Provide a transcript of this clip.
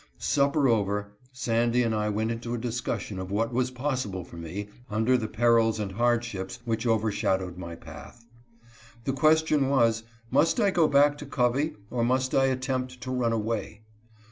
170 A MAGIC ROOT. Supper over, Sandy and I went into a discussion oi what was possible for me, under the perils and hardships which overshadowed my path. The question was, must I go back to Covey, or must I attempt to run away